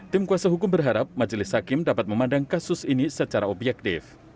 tim kuasa hukum berharap majelis hakim dapat memandang kasus ini secara objektif